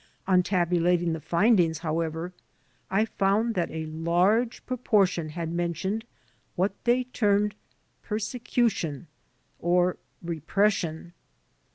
On tabulating the findings, however, I found that a large proportion had mentioned what they termed "persecu tion," or "repression."